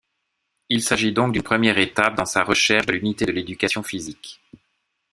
Il s'agit donc d'une première étape dans sa recherche de l'unité de l'éducation physique.